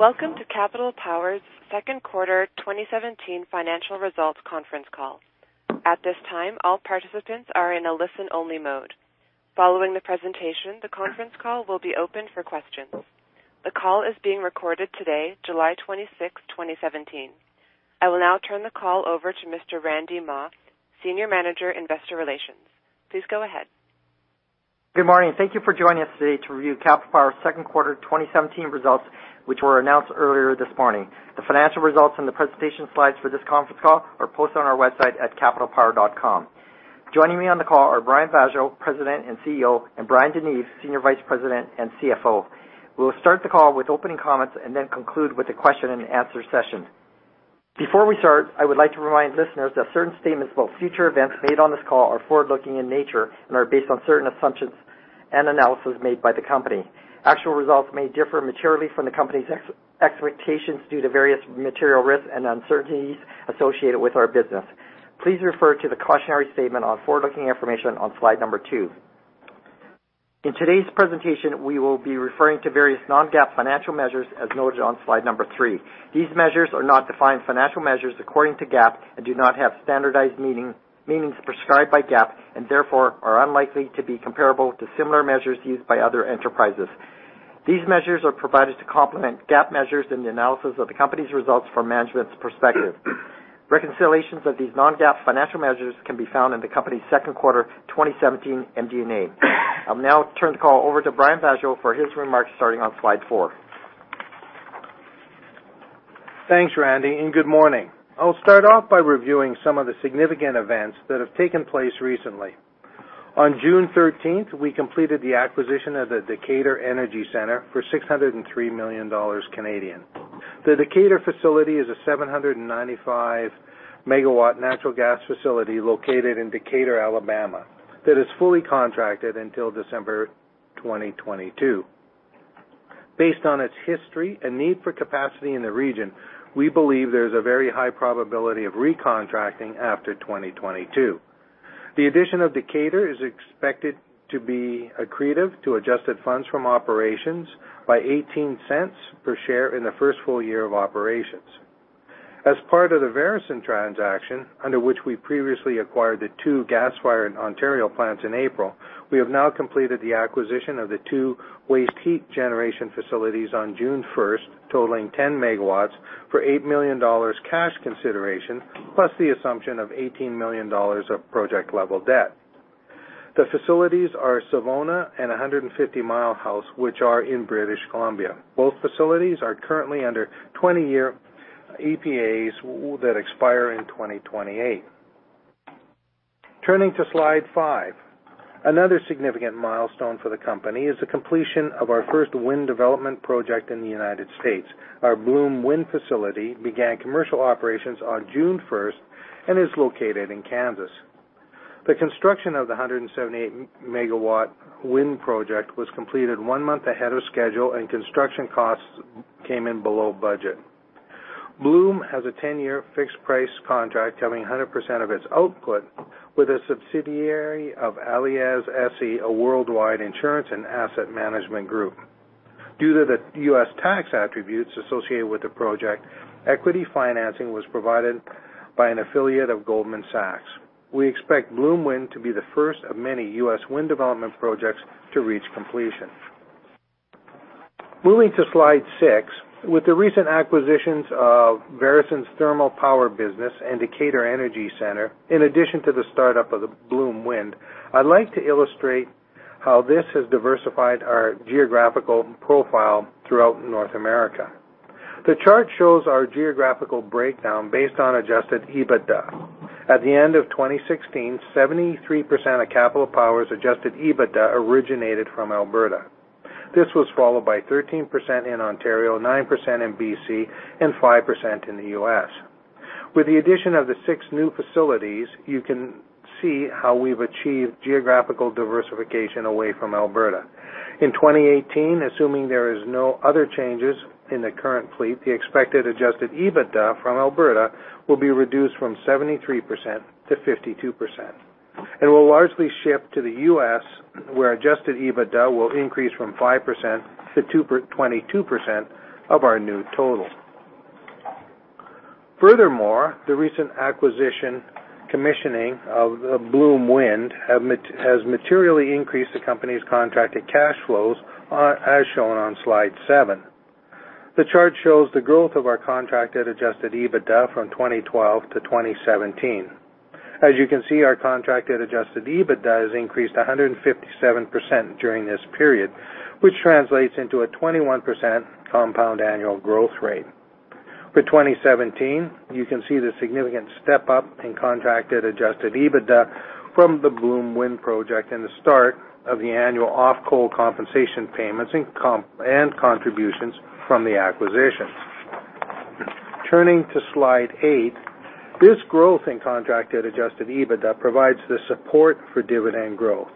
Welcome to Capital Power's second quarter 2017 financial results conference call. At this time, all participants are in a listen-only mode. Following the presentation, the conference call will be open for questions. The call is being recorded today, July 26th, 2017. I will now turn the call over to Mr. Randy Mah, Senior Manager, Investor Relations. Please go ahead. Good morning. Thank you for joining us today to review Capital Power's second quarter 2017 results, which were announced earlier this morning. The financial results and the presentation slides for this conference call are posted on our website at capitalpower.com. Joining me on the call are Brian Vaasjo, President and CEO, and Bryan DeNeve, Senior Vice President and CFO. We'll start the call with opening comments. Then conclude with a question and answer session. Before we start, I would like to remind listeners that certain statements about future events made on this call are forward-looking in nature and are based on certain assumptions and analysis made by the company. Actual results may differ materially from the company's expectations due to various material risks and uncertainties associated with our business. Please refer to the cautionary statement on forward-looking information on slide number two. In today's presentation, we will be referring to various non-GAAP financial measures, as noted on slide number three. These measures are not defined financial measures according to GAAP and do not have standardized meanings prescribed by GAAP and therefore are unlikely to be comparable to similar measures used by other enterprises. These measures are provided to complement GAAP measures in the analysis of the company's results from management's perspective. Reconciliations of these non-GAAP financial measures can be found in the company's second quarter 2017 MD&A. I'll now turn the call over to Brian Vaasjo for his remarks, starting on slide four. Thanks, Randy. Good morning. I'll start off by reviewing some of the significant events that have taken place recently. On June 13th, we completed the acquisition of the Decatur Energy Center for 603 million Canadian dollars. The Decatur facility is a 795-megawatt natural gas facility located in Decatur, Alabama that is fully contracted until December 2022. Based on its history and need for capacity in the region, we believe there's a very high probability of recontracting after 2022. The addition of Decatur is expected to be accretive to adjusted funds from operations by 0.18 per share in the first full year of operations. As part of the Veresen transaction, under which we previously acquired the two gas-fired Ontario plants in April, we have now completed the acquisition of the two waste heat generation facilities on June 1st, totaling 10 MW for 8 million dollars cash consideration, plus the assumption of 18 million dollars of project-level debt. The facilities are Savona and 150 Mile House, which are in British Columbia. Both facilities are currently under 20-year PPAs that expire in 2028. Turning to slide five. Another significant milestone for the company is the completion of our first wind development project in the U.S. Our Bloom Wind facility began commercial operations on June 1st and is located in Kansas. The construction of the 178 MW wind project was completed one month ahead of schedule, and construction costs came in below budget. Bloom has a 10-year fixed price contract covering 100% of its output with a subsidiary of Allianz SE, a worldwide insurance and asset management group. Due to the U.S. tax attributes associated with the project, equity financing was provided by an affiliate of Goldman Sachs. We expect Bloom Wind to be the first of many U.S. wind development projects to reach completion. Moving to slide six. With the recent acquisitions of Veresen's thermal power business and Decatur Energy Center, in addition to the start-up of the Bloom Wind, I'd like to illustrate how this has diversified our geographical profile throughout North America. The chart shows our geographical breakdown based on adjusted EBITDA. At the end of 2016, 73% of Capital Power's adjusted EBITDA originated from Alberta. This was followed by 13% in Ontario, 9% in B.C., and 5% in the U.S. With the addition of the six new facilities, you can see how we've achieved geographical diversification away from Alberta. In 2018, assuming there is no other changes in the current fleet, the expected adjusted EBITDA from Alberta will be reduced from 73% to 52% and will largely shift to the U.S., where adjusted EBITDA will increase from 5% to 22% of our new total. Furthermore, the recent acquisition commissioning of Bloom Wind has materially increased the company's contracted cash flows, as shown on slide seven. The chart shows the growth of our contracted adjusted EBITDA from 2012 to 2017. As you can see, our contracted adjusted EBITDA has increased 157% during this period, which translates into a 21% compound annual growth rate. For 2017, you can see the significant step-up in contracted adjusted EBITDA from the Bloom Wind project and the start of the annual off-coal compensation payments and contributions from the acquisitions. Turning to slide eight. This growth in contracted adjusted EBITDA provides the support for dividend growth.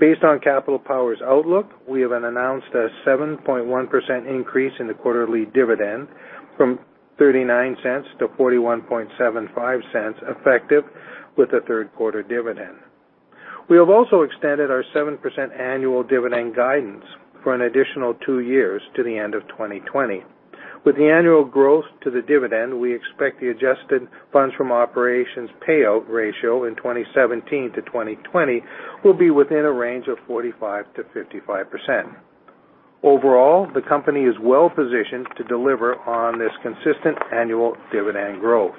Based on Capital Power's outlook, we have announced a 7.1% increase in the quarterly dividend from 0.39 to 0.4175, effective with the third quarter dividend. We have also extended our 7% annual dividend guidance for an additional two years to the end of 2020. With the annual growth to the dividend, we expect the adjusted funds from operations payout ratio in 2017 to 2020 will be within a range of 45%-55%. Overall, the company is well-positioned to deliver on this consistent annual dividend growth.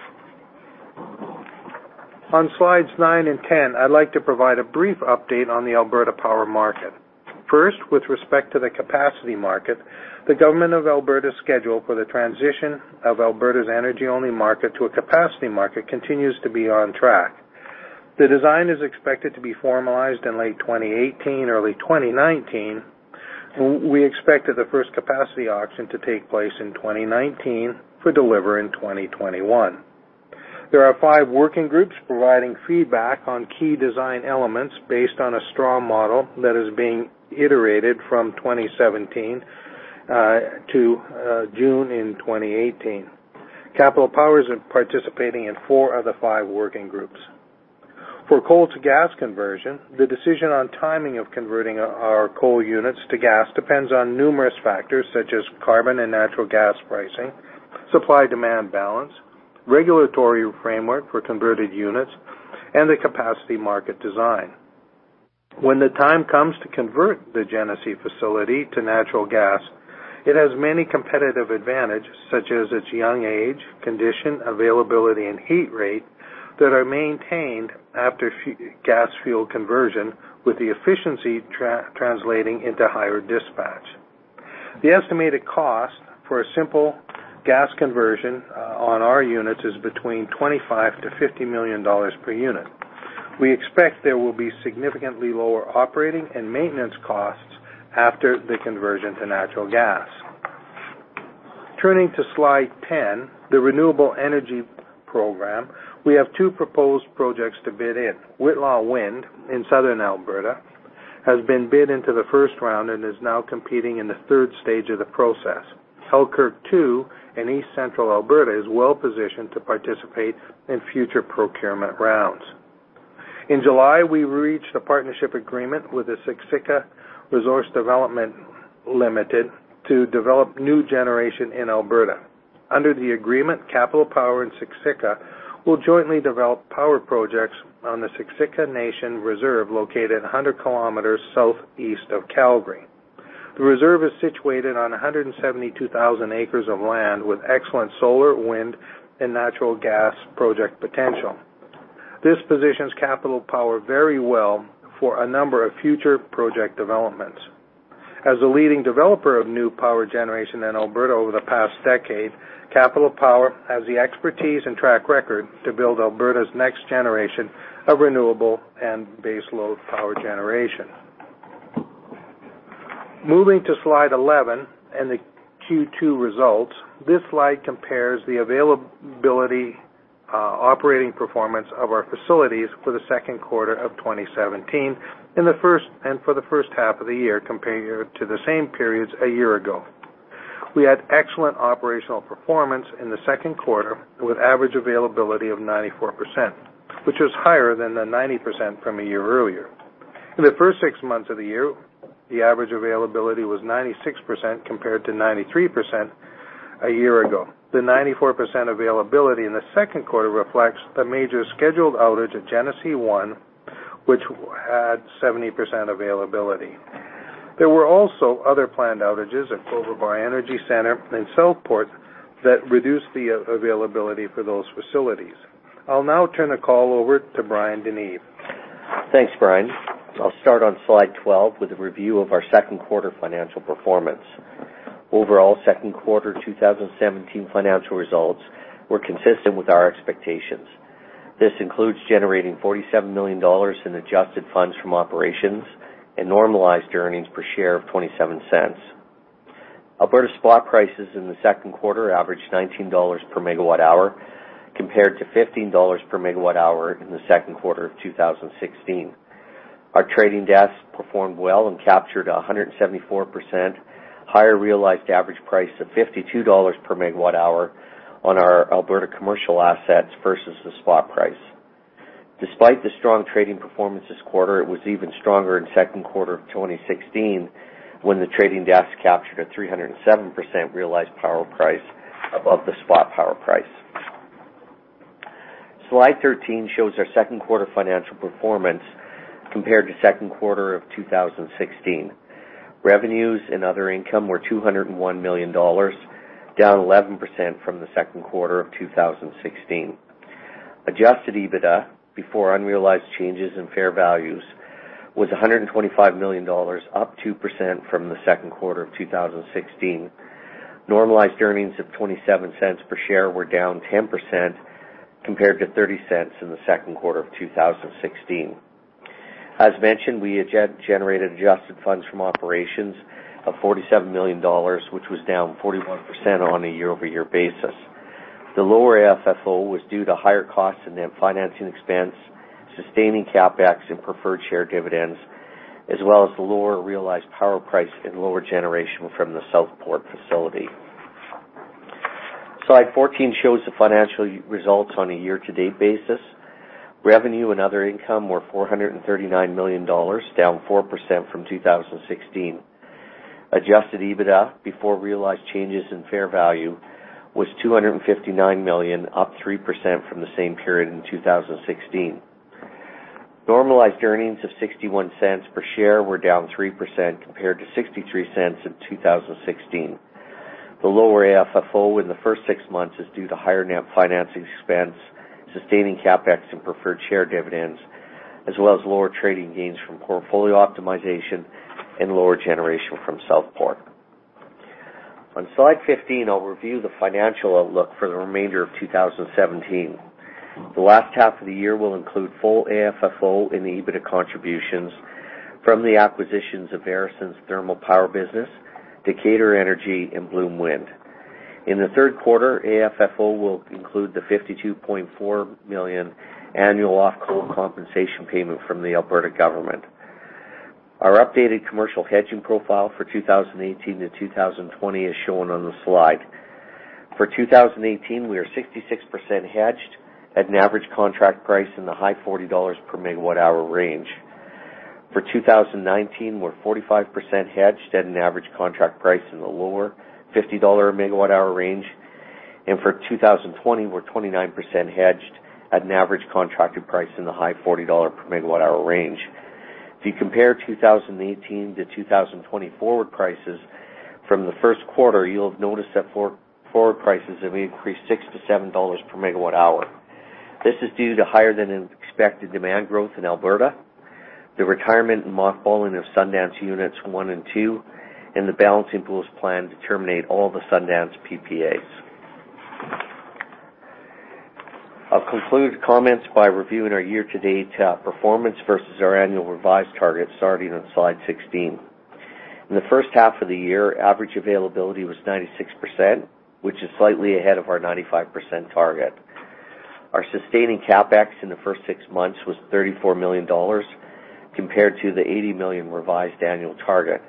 On slides nine and 10, I'd like to provide a brief update on the Alberta power market. First, with respect to the capacity market, the government of Alberta's schedule for the transition of Alberta's energy-only market to a capacity market continues to be on track. The design is expected to be formalized in late 2018, early 2019. We expect the first capacity auction to take place in 2019 for delivery in 2021. There are five working groups providing feedback on key design elements based on a strong model that is being iterated from 2017 to June 2018. Capital Power is participating in four of the five working groups. For coal to gas conversion, the decision on timing of converting our coal units to gas depends on numerous factors such as carbon and natural gas pricing, supply-demand balance, regulatory framework for converted units, and the capacity market design. When the time comes to convert the Genesee facility to natural gas, it has many competitive advantages such as its young age, condition, availability, and heat rate that are maintained after gas-fired conversion, with the efficiency translating into higher dispatch. The estimated cost for a simple gas conversion on our units is between 25 million-50 million dollars per unit. We expect there will be significantly lower operating and maintenance costs after the conversion to natural gas. Turning to slide 10, the Renewable Electricity Program. We have two proposed projects to bid in. Whitla Wind in Southern Alberta has been bid into the first round and is now competing in the third stage of the process. Halkirk 2 in East Central Alberta is well-positioned to participate in future procurement rounds. In July, we reached a partnership agreement with the Siksika Resource Development Ltd. to develop new generation in Alberta. Under the agreement, Capital Power and Siksika will jointly develop power projects on the Siksika Nation Reserve located 100 km southeast of Calgary. The reserve is situated on 172,000 acres of land with excellent solar, wind, and natural gas project potential. This positions Capital Power very well for a number of future project developments. As a leading developer of new power generation in Alberta over the past decade, Capital Power has the expertise and track record to build Alberta's next generation of renewable and base load power generation. Moving to slide 11 and the Q2 results. This slide compares the availability operating performance of our facilities for the second quarter of 2017 and for the first half of the year, comparing it to the same periods a year ago. We had excellent operational performance in the second quarter, with average availability of 94%, which was higher than the 90% from a year earlier. In the first six months of the year, the average availability was 96% compared to 93% a year ago. The 94% availability in the second quarter reflects the major scheduled outage at Genesee 1, which had 70% availability. There were also other planned outages at Cloverbar Energy Centre and Southport that reduced the availability for those facilities. I'll now turn the call over to Bryan DeNeve. Thanks, Brian. I'll start on slide 12 with a review of our second quarter financial performance. Overall second quarter 2017 financial results were consistent with our expectations. This includes generating 47 million dollars in adjusted funds from operations and normalized earnings per share of 0.27. Alberta spot prices in the second quarter averaged 19 dollars per megawatt hour, compared to 15 dollars per megawatt hour in the second quarter of 2016. Our trading desk performed well and captured 174% higher realized average price of 52 dollars per megawatt hour on our Alberta commercial assets versus the spot price. Despite the strong trading performance this quarter, it was even stronger in the second quarter of 2016 when the trading desk captured a 307% realized power price above the spot power price. Slide 13 shows our second quarter financial performance compared to the second quarter of 2016. Revenues and other income were 201 million dollars, down 11% from the second quarter of 2016. Adjusted EBITDA before unrealized changes in fair values was 125 million dollars, up 2% from the second quarter of 2016. Normalized earnings of 0.27 per share were down 10% compared to 0.30 in the second quarter of 2016. As mentioned, we generated adjusted funds from operations of 47 million dollars, which was down 41% on a year-over-year basis. The lower FFO was due to higher costs and net financing expense, sustaining CapEx and preferred share dividends, as well as the lower realized power price and lower generation from the Southport facility. Slide 14 shows the financial results on a year-to-date basis. Revenue and other income were 439 million dollars, down 4% from 2016. Adjusted EBITDA, before realized changes in fair value, was 259 million, up 3% from the same period in 2016. Normalized earnings of 0.61 per share were down 3% compared to 0.63 in 2016. The lower AFFO in the first six months is due to higher net financing expense, sustaining CapEx and preferred share dividends, as well as lower trading gains from portfolio optimization and lower generation from Southport. On slide 15, I'll review the financial outlook for the remainder of 2017. The last half of the year will include full AFFO in the EBITDA contributions from the acquisitions of Veresen's thermal power business, Decatur Energy, and Bloom Wind. In the third quarter, AFFO will include the 52.4 million annual off coal compensation payment from the Alberta government. Our updated commercial hedging profile for 2018 to 2020 is shown on the slide. For 2018, we are 66% hedged at an average contract price in the high 40 dollars per megawatt hour range. For 2019, we're 45% hedged at an average contract price in the lower 50 dollar a megawatt hour range. For 2020, we're 29% hedged at an average contracted price in the high 40 dollar per megawatt hour range. If you compare 2018 to 2020 forward prices from the first quarter, you'll have noticed that forward prices have increased 6 to 7 dollars per megawatt hour. This is due to higher than expected demand growth in Alberta, the retirement and mothballing of Sundance units one and two, and the Balancing Pool's plan to terminate all the Sundance PPAs. I'll conclude comments by reviewing our year-to-date performance versus our annual revised targets, starting on slide 16. In the first half of the year, average availability was 96%, which is slightly ahead of our 95% target. Our sustaining CapEx in the first six months was CAD 34 million, compared to the CAD 80 million revised annual target.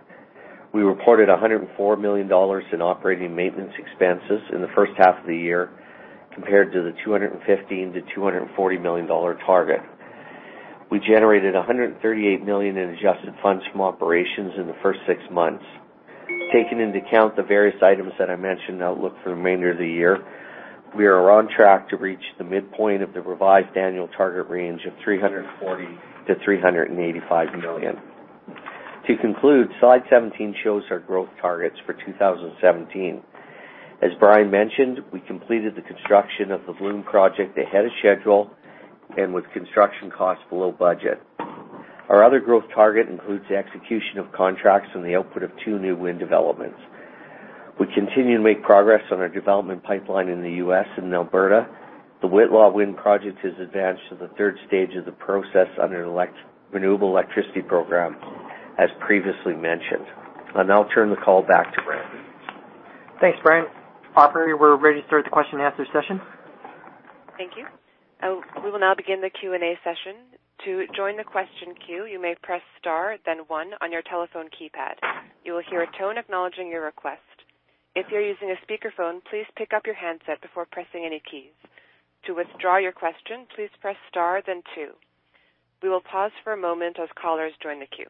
We reported CAD 104 million in operating maintenance expenses in the first half of the year, compared to the CAD 215 million-CAD 240 million target. We generated CAD 138 million in adjusted funds from operations in the first six months. Taking into account the various items that I mentioned in outlook for the remainder of the year, we are on track to reach the midpoint of the revised annual target range of 340 million-385 million. To conclude, slide 17 shows our growth targets for 2017. As Brian mentioned, we completed the construction of the Bloom project ahead of schedule and with construction costs below budget. Our other growth target includes the execution of contracts and the output of two new wind developments. We continue to make progress on our development pipeline in the U.S. and Alberta. The Whitla Wind project has advanced to the 3rd stage of the process under the Renewable Electricity Program, as previously mentioned. I'll now turn the call back to Brian. Thanks, Bryan. Operator, we're ready to start the Q&A session. Thank you. We will now begin the Q&A session. To join the question queue, you may press star then one on your telephone keypad. You will hear a tone acknowledging your request. If you're using a speakerphone, please pick up your handset before pressing any keys. To withdraw your question, please press star then two. We will pause for a moment as callers join the queue.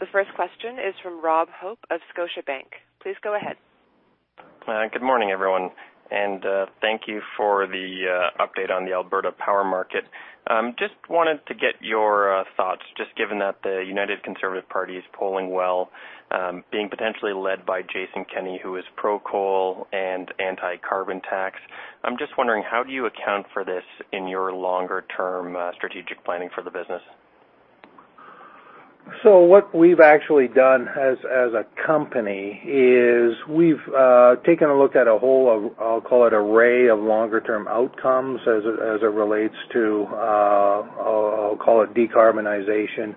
The first question is from Robert Hope of Scotiabank. Please go ahead. Good morning, everyone, thank you for the update on the Alberta power market. Just wanted to get your thoughts, just given that the United Conservative Party is polling well, being potentially led by Jason Kenney, who is pro-coal and anti-carbon tax. I'm just wondering, how do you account for this in your longer-term strategic planning for the business? What we've actually done as a company is we've taken a look at a whole, I'll call it array of longer-term outcomes as it relates to, I'll call it, decarbonization.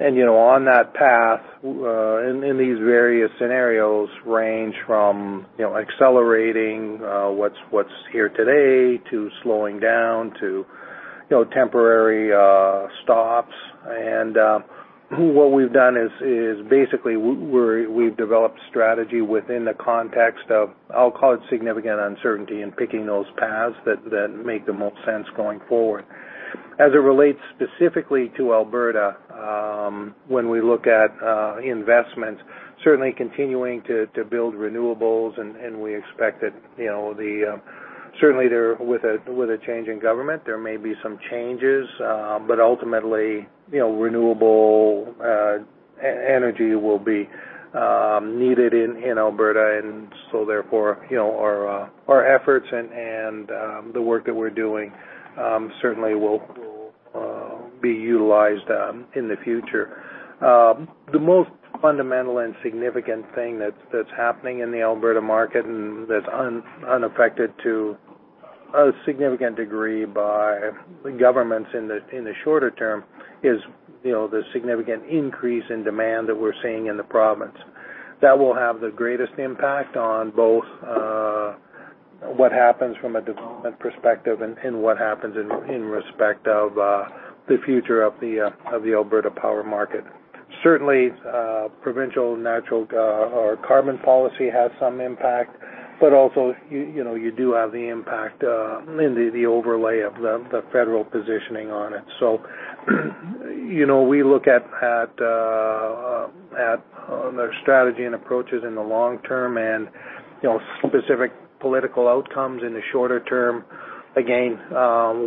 On that path, these various scenarios range from accelerating what's here today to slowing down to temporary stops. What we've done is basically we've developed strategy within the context of, I'll call it significant uncertainty in picking those paths that make the most sense going forward. As it relates specifically to Alberta, when we look at investment, certainly continuing to build renewables, and we expect that certainly with a change in government, there may be some changes. Ultimately, renewable energy will be needed in Alberta, therefore our efforts and the work that we're doing certainly will be utilized in the future. The most fundamental and significant thing that's happening in the Alberta market and that's unaffected to a significant degree by governments in the shorter term is the significant increase in demand that we're seeing in the province. That will have the greatest impact on both What happens from a development perspective and what happens in respect of the future of the Alberta power market. Certainly, provincial natural or carbon policy has some impact, also, you do have the impact in the overlay of the federal positioning on it. We look at their strategy and approaches in the long term and specific political outcomes in the shorter term. Again,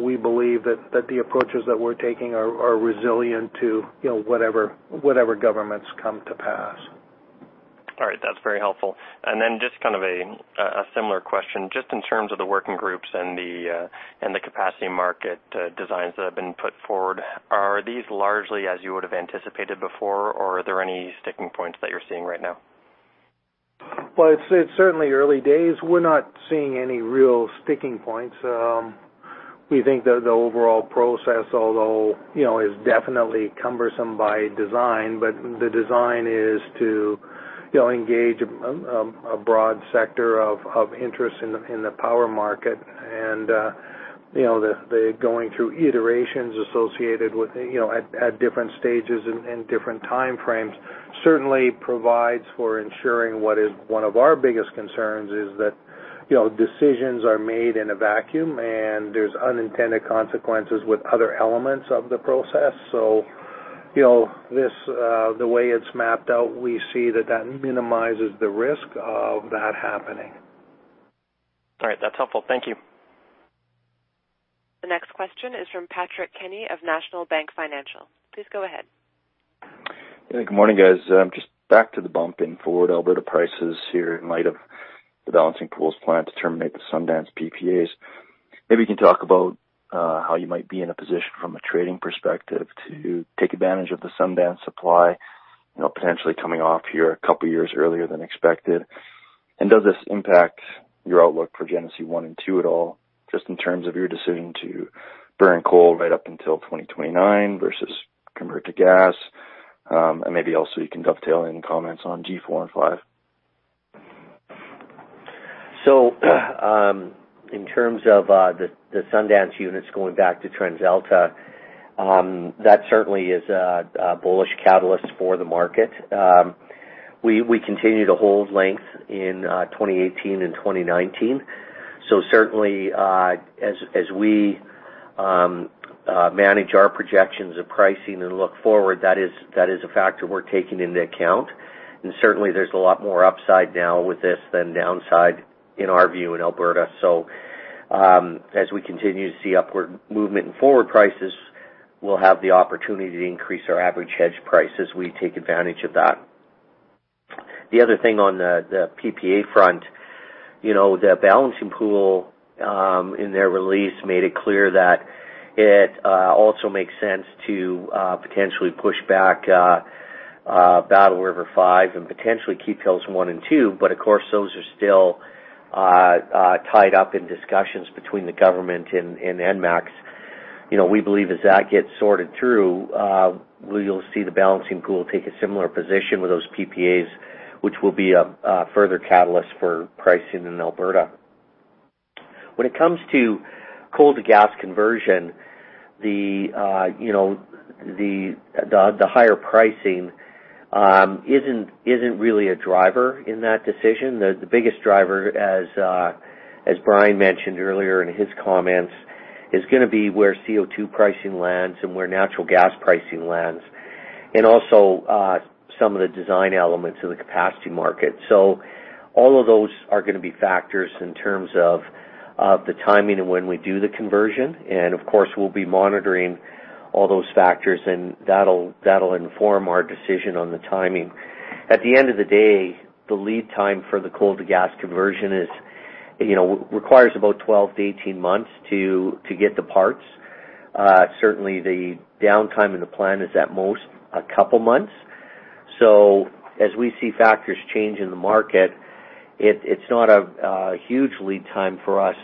we believe that the approaches that we're taking are resilient to whatever governments come to pass. All right. That's very helpful. Just a similar question, just in terms of the working groups and the capacity market designs that have been put forward, are these largely as you would've anticipated before, or are there any sticking points that you're seeing right now? Well, it's certainly early days. We're not seeing any real sticking points. We think that the overall process, although, is definitely cumbersome by design, but the design is to engage a broad sector of interest in the power market. The going through iterations associated at different stages and different timeframes certainly provides for ensuring what is one of our biggest concerns is that decisions are made in a vacuum, and there's unintended consequences with other elements of the process. The way it's mapped out, we see that minimizes the risk of that happening. All right. That's helpful. Thank you. The next question is from Patrick Kenny of National Bank Financial. Please go ahead. Yeah. Good morning, guys. Just back to the bump in forward Alberta prices here in light of the Balancing Pool's plan to terminate the Sundance PPAs. Maybe you can talk about how you might be in a position from a trading perspective to take advantage of the Sundance supply, potentially coming off here a couple of years earlier than expected. Does this impact your outlook for Genesee 1 and 2 at all, just in terms of your decision to burn coal right up until 2029 versus convert to gas? Maybe also you can dovetail any comments on G4 and G5. In terms of the Sundance units going back to TransAlta, that certainly is a bullish catalyst for the market. We continue to hold length in 2018 and 2019. Certainly, as we manage our projections of pricing and look forward, that is a factor we're taking into account. Certainly, there's a lot more upside now with this than downside in our view in Alberta. As we continue to see upward movement in forward prices, we'll have the opportunity to increase our average hedge price as we take advantage of that. The other thing on the PPA front. The Balancing Pool, in their release, made it clear that it also makes sense to potentially push back Battle River 5 and potentially Keephills 1 and 2. Of course, those are still tied up in discussions between the government and ENMAX. We believe as that gets sorted through, we'll see the Balancing Pool take a similar position with those PPAs, which will be a further catalyst for pricing in Alberta. When it comes to coal to gas conversion, the higher pricing isn't really a driver in that decision. The biggest driver, as Brian mentioned earlier in his comments, is going to be where CO2 pricing lands and where natural gas pricing lands and also some of the design elements of the capacity market. All of those are going to be factors in terms of the timing of when we do the conversion. Of course, we'll be monitoring all those factors, and that'll inform our decision on the timing. At the end of the day, the lead time for the coal to gas conversion requires about 12 to 18 months to get the parts. Certainly, the downtime in the plan is at most, a couple of months. As we see factors change in the market, it's not a huge lead time for us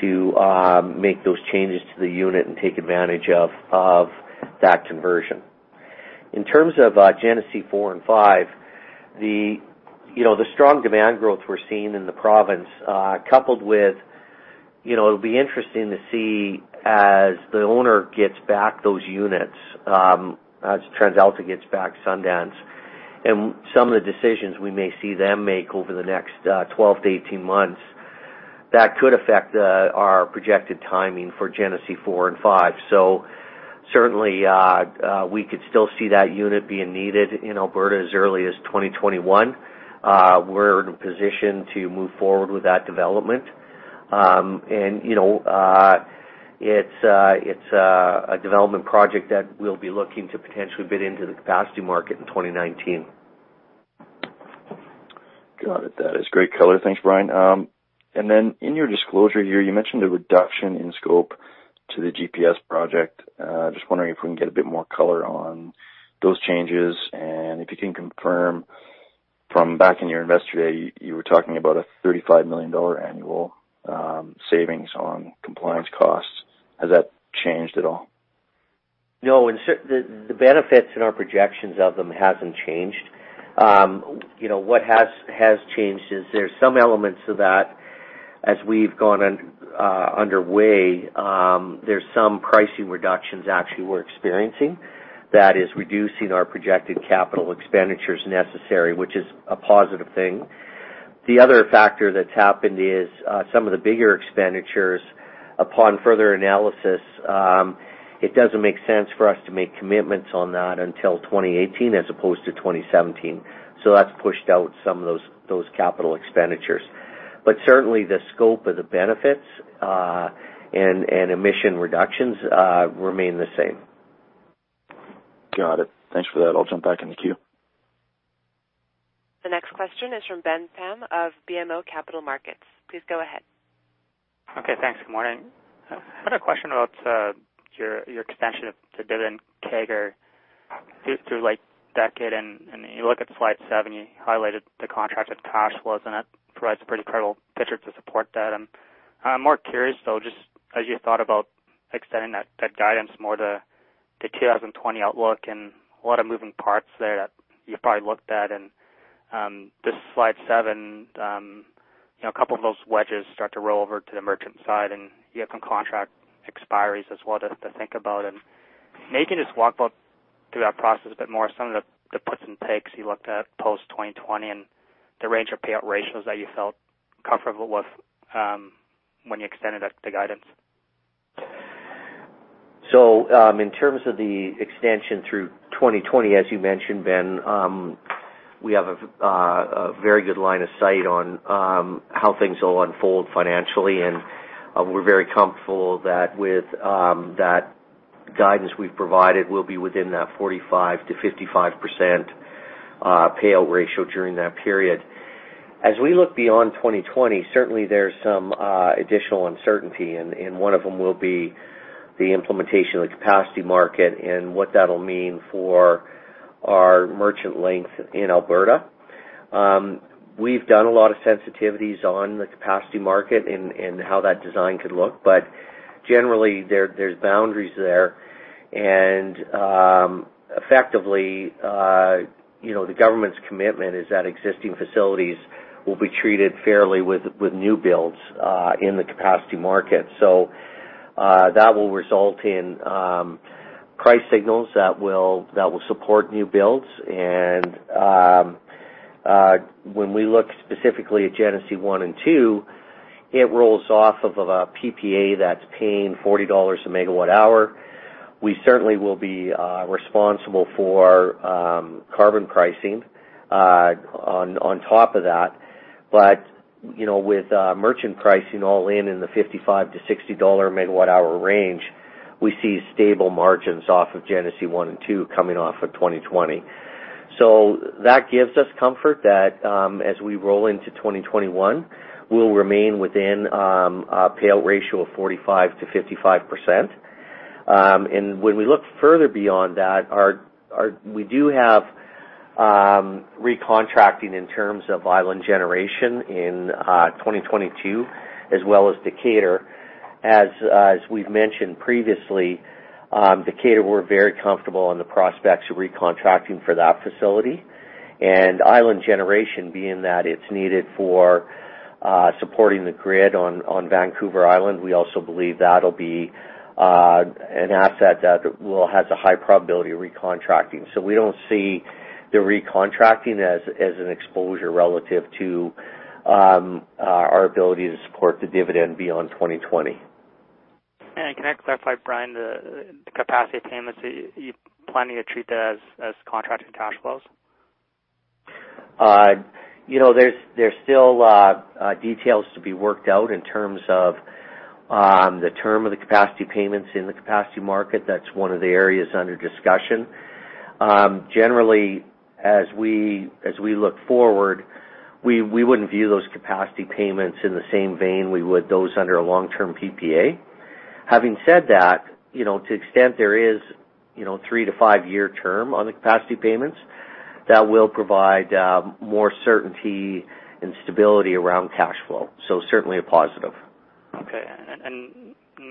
to make those changes to the unit and take advantage of that conversion. In terms of Genesee 4 and 5, the strong demand growth we're seeing in the province. It'll be interesting to see as the owner gets back those units, as TransAlta gets back Sundance, and some of the decisions we may see them make over the next 12 to 18 months. That could affect our projected timing for Genesee 4 and 5. Certainly, we could still see that unit being needed in Alberta as early as 2021. We're in a position to move forward with that development. It's a development project that we'll be looking to potentially bid into the capacity market in 2019. Got it. That is great color. Thanks, Bryan. In your disclosure here, you mentioned a reduction in scope to the Genesee 4 & 5 project. Just wondering if we can get a bit more color on those changes, and if you can confirm from back in your investor day, you were talking about a 35 million dollar annual savings on compliance costs. Has that changed at all? No. The benefits in our projections of them hasn't changed. What has changed is there's some elements of that as we've gone underway, there's some pricing reductions actually we're experiencing that is reducing our projected capital expenditures necessary, which is a positive thing. The other factor that's happened is some of the bigger expenditures, upon further analysis, it doesn't make sense for us to make commitments on that until 2018 as opposed to 2017. That's pushed out some of those capital expenditures. Certainly the scope of the benefits and emission reductions remain the same. Got it. Thanks for that. I'll jump back in the queue. The next question is from Ben Pham of BMO Capital Markets. Please go ahead. Okay, thanks. Good morning. I had a question about your extension of dividend CAGR through that decade. You look at slide seven, highlighted the contract that cash was, and that provides a pretty credible picture to support that. I'm more curious, though, just as you thought about extending that guidance more to the 2020 outlook and a lot of moving parts there that you've probably looked at. This slide seven, a couple of those wedges start to roll over to the merchant side, and you have some contract expiries as well to think about. Maybe just walk through that process a bit more, some of the puts and takes you looked at post-2020 and the range of payout ratios that you felt comfortable with when you extended the guidance. In terms of the extension through 2020, as you mentioned, Ben, we have a very good line of sight on how things will unfold financially, and we're very comfortable that with that guidance we've provided, we'll be within that 45%-55% payout ratio during that period. As we look beyond 2020, certainly there's some additional uncertainty, and one of them will be the implementation of the capacity market and what that'll mean for our merchant length in Alberta. We've done a lot of sensitivities on the capacity market and how that design could look, but generally, there's boundaries there. Effectively, the government's commitment is that existing facilities will be treated fairly with new builds in the capacity market. That will result in price signals that will support new builds. When we look specifically at Genesee 1 and 2, it rolls off of a PPA that's paying 40 dollars a megawatt hour. We certainly will be responsible for carbon pricing on top of that. With merchant pricing all in the 55-60 dollar megawatt hour range, we see stable margins off of Genesee 1 and 2 coming off of 2020. That gives us comfort that as we roll into 2021, we'll remain within a payout ratio of 45%-55%. When we look further beyond that, we do have recontracting in terms of Island Generation in 2022, as well as Decatur. As we've mentioned previously, Decatur, we're very comfortable in the prospects of recontracting for that facility. Island Generation being that it's needed for supporting the grid on Vancouver Island, we also believe that'll be an asset that has a high probability of recontracting. We don't see the recontracting as an exposure relative to our ability to support the dividend beyond 2020. Can I clarify, Bryan, the capacity payments, are you planning to treat that as contracted cash flows? There's still details to be worked out in terms of the term of the capacity payments in the capacity market. That's one of the areas under discussion. Generally, as we look forward, we wouldn't view those capacity payments in the same vein we would those under a long-term PPA. Having said that, to the extent there is a three to five-year term on the capacity payments, that will provide more certainty and stability around cash flow. Certainly a positive. Okay.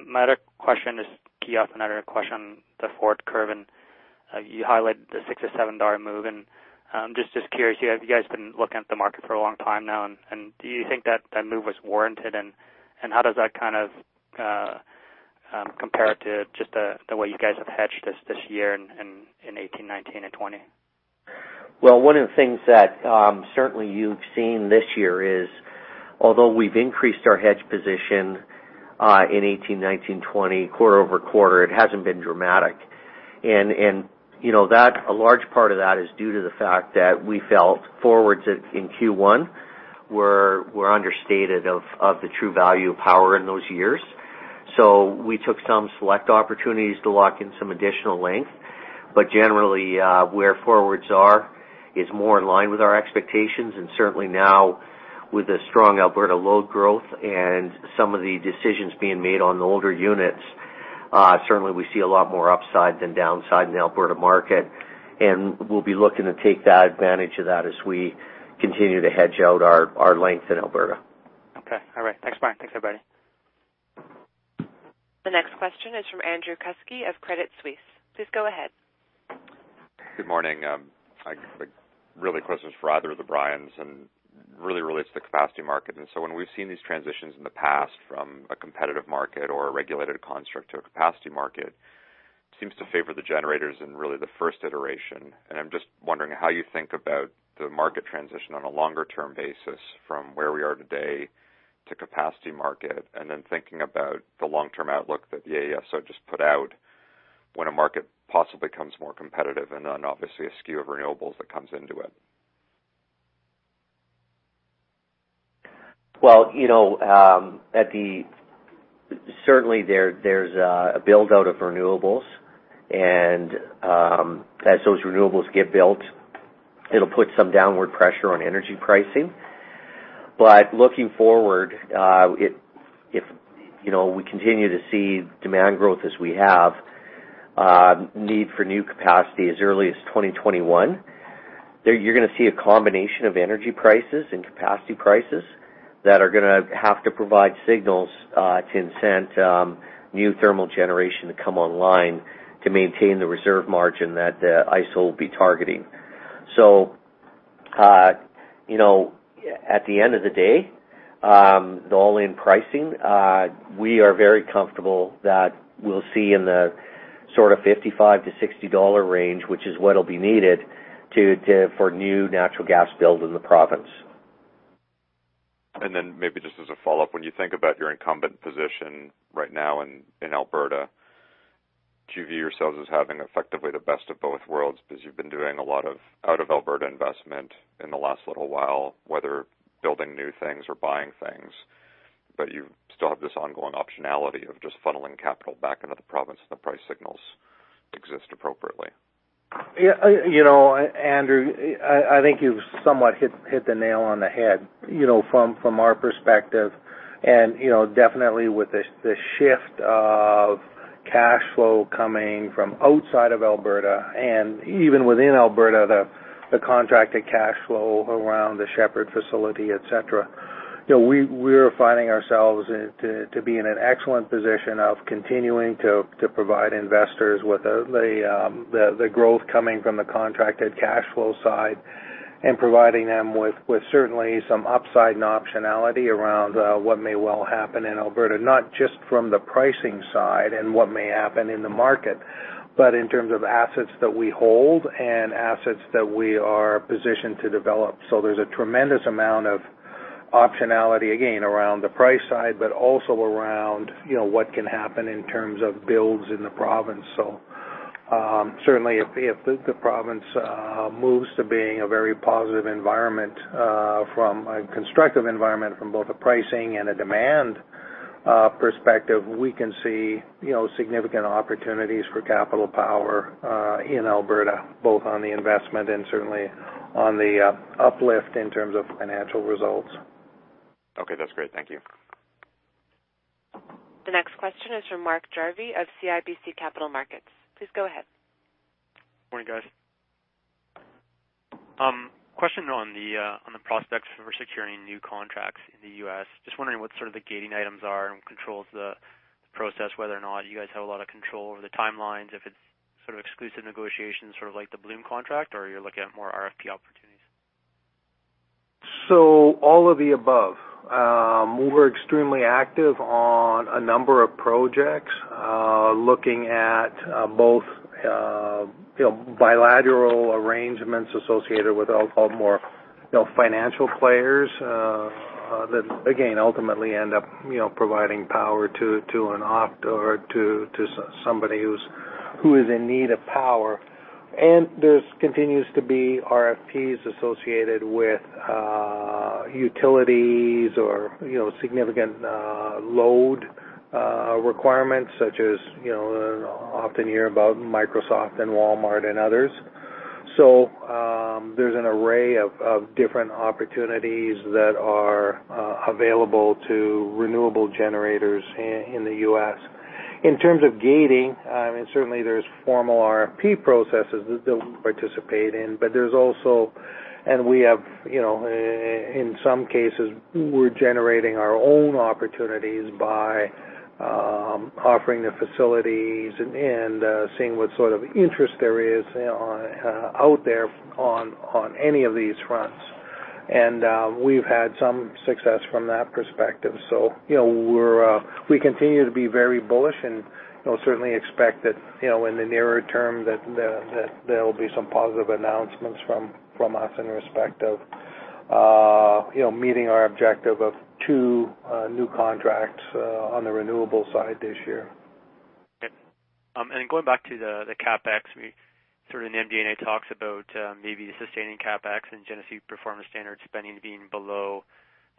My other question is to key off another question, the forward curve, and you highlighted the 6-7 dollar move, and I'm just curious, you guys have been looking at the market for a long time now, do you think that that move was warranted? How does that kind of compare to just the way you guys have hedged this year in 2018, 2019, and 2020? Well, one of the things that certainly you've seen this year is, although we've increased our hedge position in 2018, 2019, 2020, quarter-over-quarter, it hasn't been dramatic. A large part of that is due to the fact that we felt forwards in Q1 were understated of the true value of power in those years. We took some select opportunities to lock in some additional length. Generally, where forwards are is more in line with our expectations. Certainly now with the strong Alberta load growth and some of the decisions being made on the older units, certainly we see a lot more upside than downside in the Alberta market, and we'll be looking to take that advantage of that as we continue to hedge out our length in Alberta. All right. Thanks, Bryan. Thanks, everybody. The next question is from Andrew Kuske of Credit Suisse. Please go ahead. Good morning. Really the question is for either of the Bryans, really relates to the capacity market. When we've seen these transitions in the past from a competitive market or a regulated construct to a capacity market, seems to favor the generators in really the first iteration. I'm just wondering how you think about the market transition on a longer-term basis from where we are today to capacity market, then thinking about the long-term outlook that the AESO just put out when a market possibly comes more competitive and on, obviously, a skew of renewables that comes into it. Well, certainly there's a build-out of renewables, and as those renewables get built, it'll put some downward pressure on energy pricing. Looking forward, if we continue to see demand growth as we have, need for new capacity as early as 2021, you're going to see a combination of energy prices and capacity prices that are going to have to provide signals to incent new thermal generation to come online to maintain the reserve margin that ISO will be targeting. At the end of the day, the all-in pricing, we are very comfortable that we'll see in the sort of 55-60 dollar range, which is what'll be needed for new natural gas builds in the province. Maybe just as a follow-up, when you think about your incumbent position right now in Alberta, do you view yourselves as having effectively the best of both worlds? Because you've been doing a lot of out-of-Alberta investment in the last little while, whether building new things or buying things, but you still have this ongoing optionality of just funneling capital back into the province if the price signals exist appropriately. Andrew, I think you've somewhat hit the nail on the head. From our perspective and definitely with the shift of cash flow coming from outside of Alberta and even within Alberta, the contracted cash flow around the Shepard facility, et cetera, we're finding ourselves to be in an excellent position of continuing to provide investors with the growth coming from the contracted cash flow side and providing them with certainly some upside and optionality around what may well happen in Alberta. Not just from the pricing side and what may happen in the market, but in terms of assets that we hold and assets that we are positioned to develop. There's a tremendous amount of optionality, again, around the price side, but also around what can happen in terms of builds in the province. Certainly if the province moves to being a very positive environment from a constructive environment from both a pricing and a demand perspective, we can see significant opportunities for Capital Power in Alberta, both on the investment and certainly on the uplift in terms of financial results. Okay, that's great. Thank you. The next question is from Mark Jarvi of CIBC Capital Markets. Please go ahead. Morning, guys. Question on the prospects for securing new contracts in the U.S. Just wondering what sort of the gating items are and what controls the process, whether or not you guys have a lot of control over the timelines, if it's sort of exclusive negotiations, sort of like the Bloom contract, or you're looking at more RFP opportunities. All of the above. We're extremely active on a number of projects, looking at both bilateral arrangements associated with more financial players that, again, ultimately end up providing power to an offtaker or to somebody who is in need of power. There continues to be RFPs associated with utilities or significant load requirements, such as, often you hear about Microsoft and Walmart and others. There's an array of different opportunities that are available to renewable generators in the U.S. In terms of gating, certainly there's formal RFP processes that we participate in. In some cases, we're generating our own opportunities by offering the facilities and seeing what sort of interest there is out there on any of these fronts. We've had some success from that perspective. We continue to be very bullish and certainly expect that in the nearer term that there'll be some positive announcements from us in respect of meeting our objective of two new contracts on the renewable side this year. Okay. Going back to the CapEx, the MD&A talks about maybe sustaining CapEx and Genesee performance standard spending being below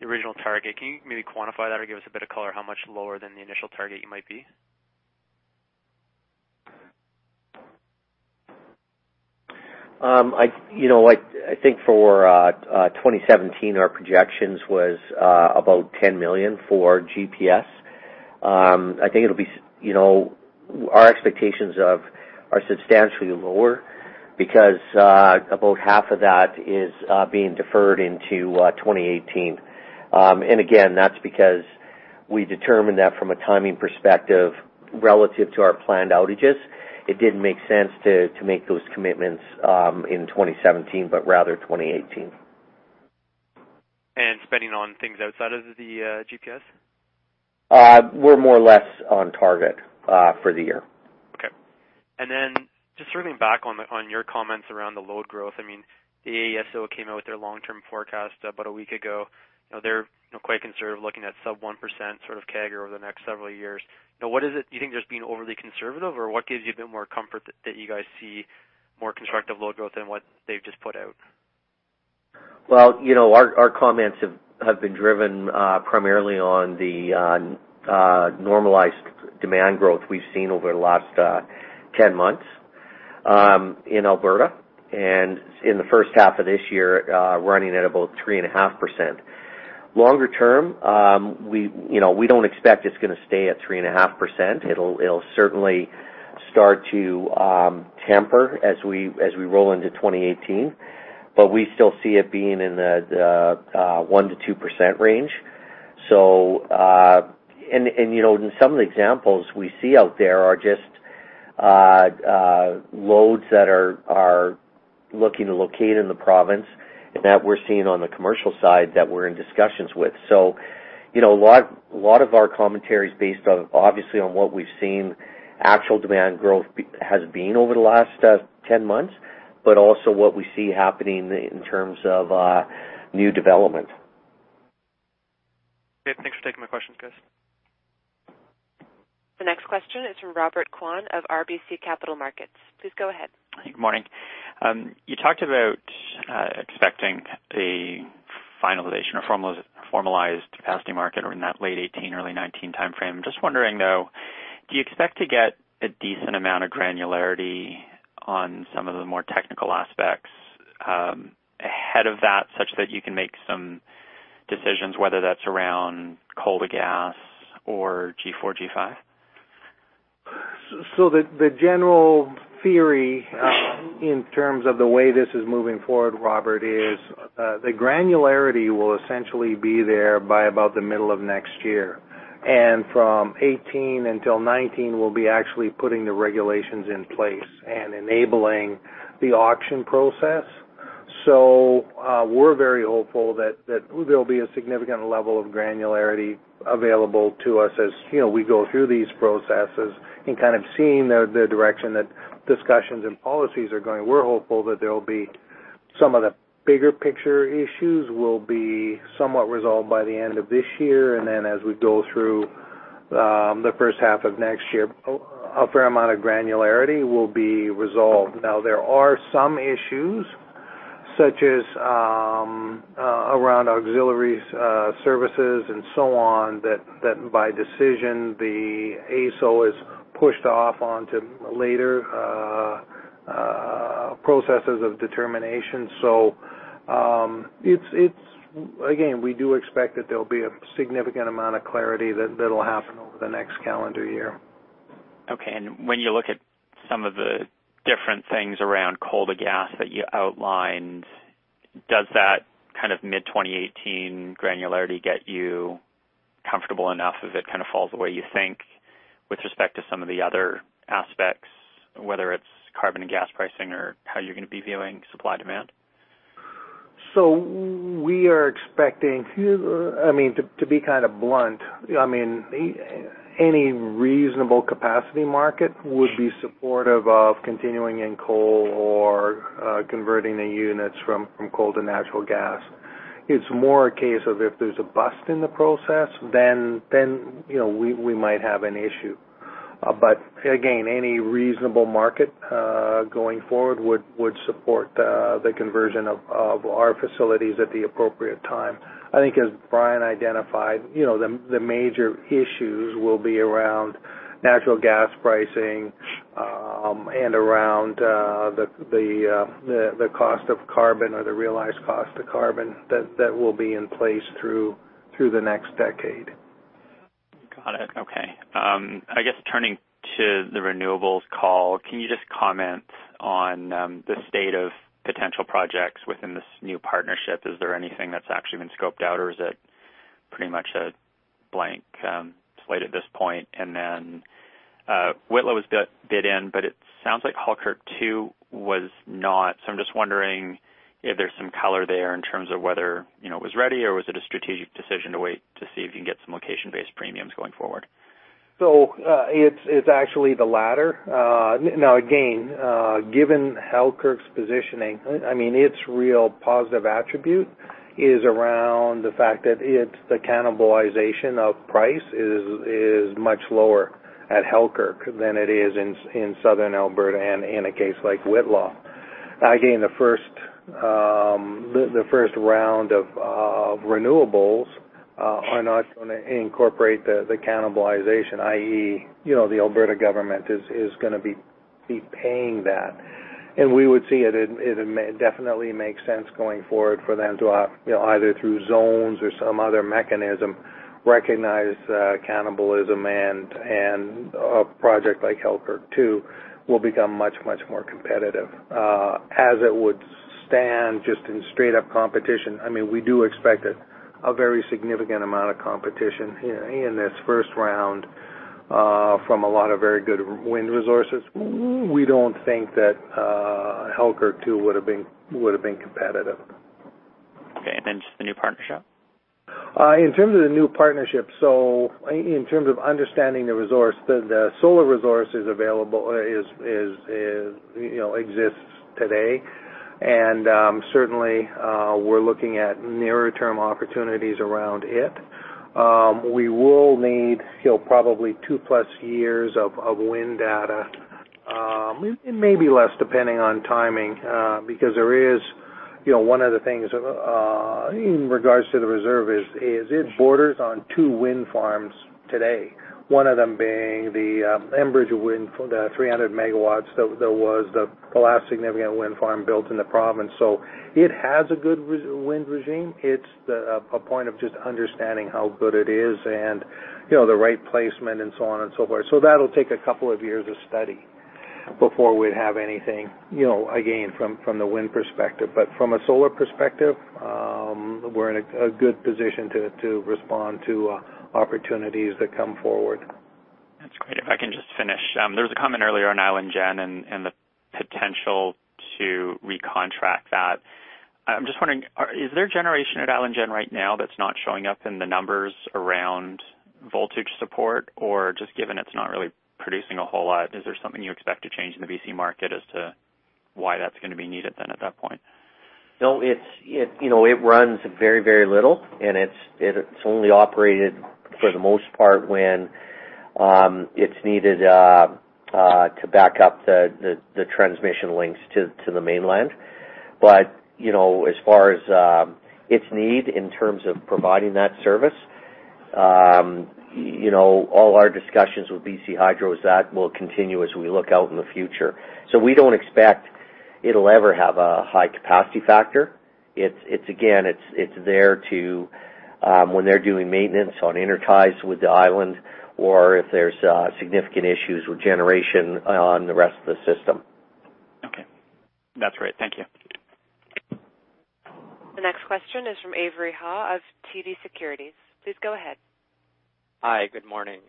the original target. Can you maybe quantify that or give us a bit of color how much lower than the initial target you might be? I think for 2017, our projections was about 10 million for GPS. I think our expectations are substantially lower because about half of that is being deferred into 2018. Again, that's because we determined that from a timing perspective relative to our planned outages, it didn't make sense to make those commitments in 2017, but rather 2018. Spending on things outside of the GPS? We're more or less on target for the year. Okay. Then just circling back on your comments around the load growth. The AESO came out with their long-term forecast about a week ago. They're quite conservative, looking at sub 1% sort of CAGR over the next several years. What is it? Do you think they're just being overly conservative, or what gives you a bit more comfort that you guys see more constructive load growth than what they've just put out? Well, our comments have been driven primarily on the normalized demand growth we've seen over the last 10 months in Alberta, and in the first half of this year, running at about 3.5%. Longer term, we don't expect it's going to stay at 3.5%. It'll certainly start to temper as we roll into 2018. We still see it being in the 1%-2% range. Some of the examples we see out there are just loads that are looking to locate in the province and that we're seeing on the commercial side that we're in discussions with. A lot of our commentary is based, obviously, on what we've seen actual demand growth has been over the last 10 months, but also what we see happening in terms of new development. Great. Thanks for taking my questions, guys. The next question is from Robert Kwan of RBC Capital Markets. Please go ahead. Good morning. You talked about expecting a finalization or formalized capacity market or in that late 2018, early 2019 timeframe. I'm just wondering, though, do you expect to get a decent amount of granularity on some of the more technical aspects ahead of that, such that you can make some decisions, whether that's around coal to gas or G4, G5? The general theory in terms of the way this is moving forward, Robert, is the granularity will essentially be there by about the middle of next year. From 2018 until 2019, we'll be actually putting the regulations in place and enabling the auction process. We're very hopeful that there'll be a significant level of granularity available to us as we go through these processes. In seeing the direction that discussions and policies are going, we're hopeful that some of the bigger picture issues will be somewhat resolved by the end of this year. Then as we go through the first half of next year, a fair amount of granularity will be resolved. There are some issues, such as around auxiliary services and so on, that by decision, the AESO is pushed off onto later processes of determination. Again, we do expect that there'll be a significant amount of clarity that'll happen over the next calendar year. Okay, when you look at some of the different things around coal to gas that you outlined, does that mid-2018 granularity get you comfortable enough if it kind of falls the way you think with respect to some of the other aspects, whether it's carbon and gas pricing or how you're going to be viewing supply-demand? We are expecting, to be kind of blunt, any reasonable capacity market would be supportive of continuing in coal or converting the units from coal to natural gas. It's more a case of if there's a bust in the process, we might have an issue. Again, any reasonable market going forward would support the conversion of our facilities at the appropriate time. I think, as Bryan identified, the major issues will be around natural gas pricing, and around the cost of carbon or the realized cost of carbon that will be in place through the next decade. Got it. Okay. I guess, turning to the renewables call, can you just comment on the state of potential projects within this new partnership? Is there anything that's actually been scoped out, or is it pretty much a blank slate at this point? Whitla has bid in, but it sounds like Halkirk 2 was not. I'm just wondering if there's some color there in terms of whether it was ready or was it a strategic decision to wait to see if you can get some location-based premiums going forward. It's actually the latter. Now again, given Halkirk's positioning, its real positive attribute is around the fact that the cannibalization of price is much lower at Halkirk than it is in Southern Alberta and in a case like Whitla. Again, the first round of renewables are not going to incorporate the cannibalization, i.e., the Alberta government is going to be paying that. We would see it definitely makes sense going forward for them to, either through zones or some other mechanism, recognize cannibalism, and a project like Halkirk 2 will become much, much more competitive. As it would stand just in straight-up competition, we do expect a very significant amount of competition here in this first round, from a lot of very good wind resources. We don't think that Halkirk 2 would've been competitive. Okay, just the new partnership? In terms of the new partnership, in terms of understanding the resource, the solar resource exists today. Certainly, we're looking at nearer-term opportunities around it. We will need probably two-plus years of wind data. It may be less, depending on timing, because one of the things in regards to the reserve is, it borders on two wind farms today. One of them being the Enbridge wind, the 300 MW that was the last significant wind farm built in the province. It has a good wind regime. It's a point of just understanding how good it is and the right placement and so on and so forth. That'll take a couple of years of study before we'd have anything, again, from the wind perspective. From a solar perspective, we're in a good position to respond to opportunities that come forward. That's great. If I can just finish. There was a comment earlier on Island Generation and the potential to recontract that. I'm just wondering, is there generation at Island Generation right now that's not showing up in the numbers around voltage support? Or just given it's not really producing a whole lot, is there something you expect to change in the BC market as to why that's going to be needed then at that point? It runs very, very little, and it's only operated for the most part when it's needed to back up the transmission links to the mainland. As far as its need in terms of providing that service, all our discussions with BC Hydro is that will continue as we look out in the future. We don't expect it'll ever have a high capacity factor. Again, it's there when they're doing maintenance on interties with the island or if there's significant issues with generation on the rest of the system. Okay. That's great. Thank you. The next question is from Avery Ha of TD Securities. Please go ahead. Hi, good morning.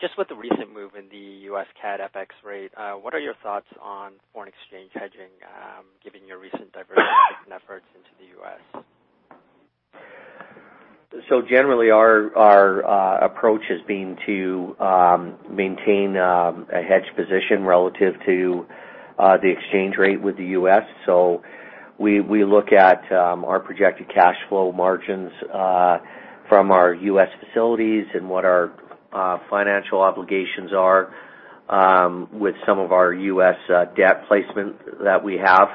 Just with the recent move in the U.S. CAD FX rate, what are your thoughts on foreign exchange hedging, given your recent diversification efforts into the U.S.? Generally, our approach has been to maintain a hedge position relative to the exchange rate with the U.S. We look at our projected cash flow margins from our U.S. facilities and what our financial obligations are with some of our U.S. debt placement that we have.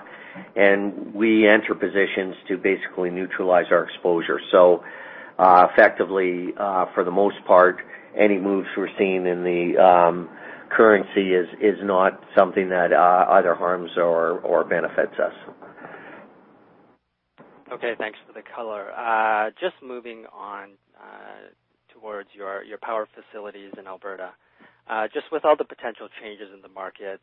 We enter positions to basically neutralize our exposure. Effectively, for the most part, any moves we're seeing in the currency is not something that either harms or benefits us. Okay, thanks for the color. Just moving on towards your power facilities in Alberta. Just with all the potential changes in the market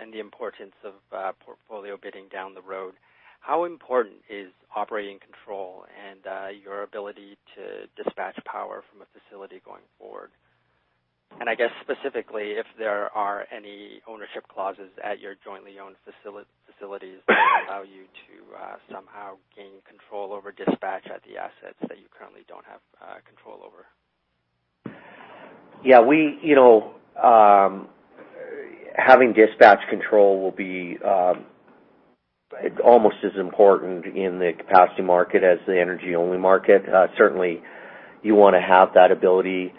and the importance of portfolio bidding down the road, how important is operating control and your ability to dispatch power from a facility going forward? I guess specifically, if there are any ownership clauses at your jointly owned facilities that allow you to somehow gain control over dispatch at the assets that you currently don't have control over. Yeah. Having dispatch control will be almost as important in the capacity market as the energy-only market. Certainly, you want to have that ability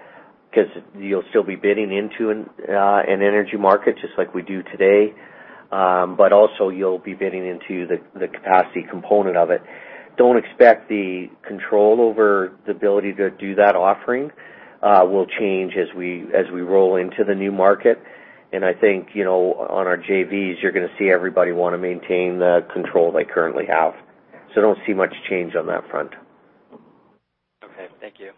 because you'll still be bidding into an energy market just like we do today. Also you'll be bidding into the capacity component of it. Don't expect the control over the ability to do that offering will change as we roll into the new market. I think, on our JVs, you're going to see everybody want to maintain the control they currently have. I don't see much change on that front. Okay, thank you.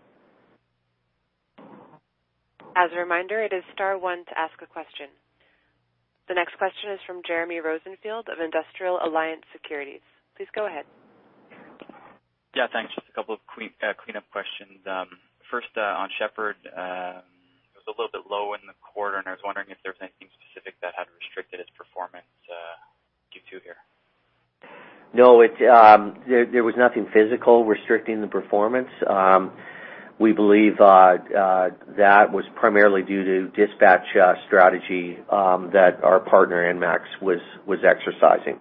As a reminder, it is star one to ask a question. The next question is from Jeremy Rosenfield of Industrial Alliance Securities. Please go ahead. Yeah, thanks. Just a couple of cleanup questions. First, on Shepard, it was a little bit low in the quarter. I was wondering if there was anything specific that had restricted its performance Q2 here. No, there was nothing physical restricting the performance. We believe that was primarily due to dispatch strategy that our partner, ENMAX, was exercising.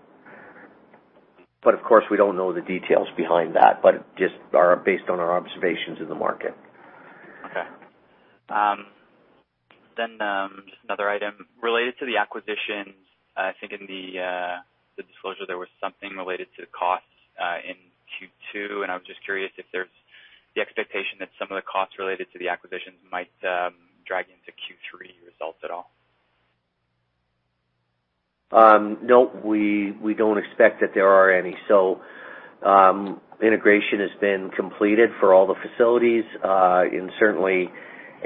Of course, we don't know the details behind that, just based on our observations in the market. Okay. Just another item. Related to the acquisitions, I think in the disclosure, there was something related to costs in Q2, and I was just curious if there's the expectation that some of the costs related to the acquisitions might drag into Q3 results at all. No, we don't expect that there are any. Integration has been completed for all the facilities. Certainly,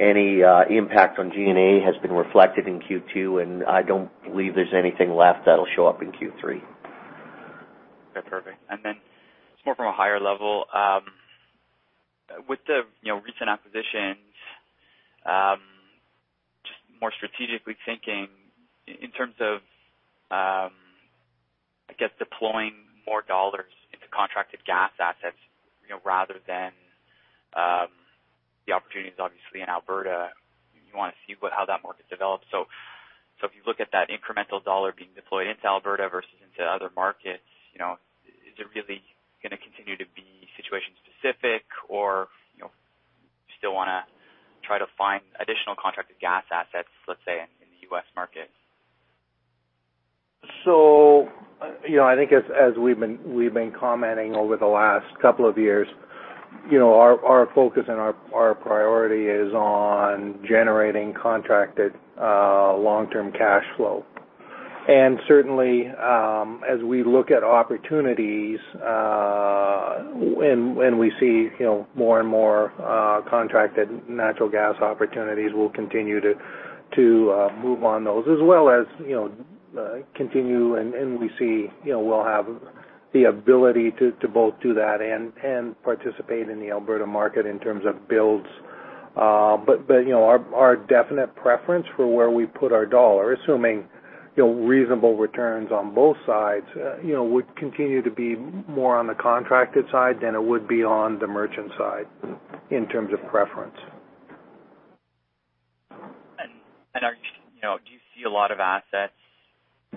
any impact on G&A has been reflected in Q2, and I don't believe there's anything left that'll show up in Q3. Okay, perfect. Just more from a higher level. With the recent acquisitions, just more strategically thinking in terms of, I guess, deploying more dollars into contracted gas assets, rather than the opportunities obviously in Alberta, you want to see how that market develops. If you look at that incremental dollar being deployed into Alberta versus into other markets, is it really going to continue to be situation specific, or do you still want to try to find additional contracted gas assets, let's say, in the U.S. market? I think as we've been commenting over the last couple of years, our focus and our priority is on generating contracted long-term cash flow. Certainly, as we look at opportunities, and we see more and more contracted natural gas opportunities, we'll continue to move on those as well as continue, and we'll have the ability to both do that and participate in the Alberta market in terms of builds. Our definite preference for where we put our dollar, assuming reasonable returns on both sides, would continue to be more on the contracted side than it would be on the merchant side in terms of preference. Do you see a lot of assets,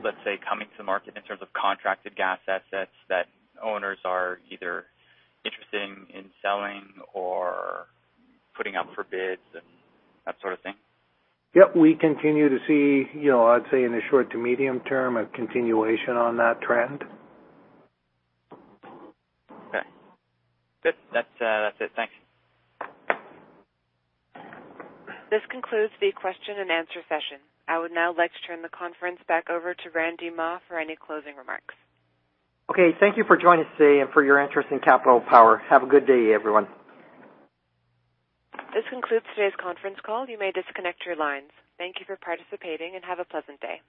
let's say, coming to the market in terms of contracted gas assets that owners are either interested in selling or putting up for bids and that sort of thing? Yep. We continue to see, I'd say, in the short to medium term, a continuation on that trend. Okay. Good. That's it. Thanks. This concludes the question and answer session. I would now like to turn the conference back over to Randy Mah for any closing remarks. Okay. Thank you for joining us today and for your interest in Capital Power. Have a good day, everyone. This concludes today's conference call. You may disconnect your lines. Thank you for participating, and have a pleasant day.